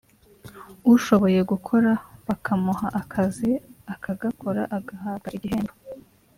ushoboye gukora bakamuha akazi akagakora agahabwa igihembo